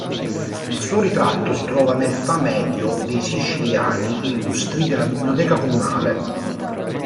Il suo ritratto si trova nel Famedio dei Siciliani illustri della Biblioteca comunale.